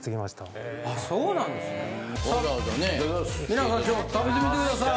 皆さん今日は食べてみてください。